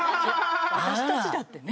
私たちだってね。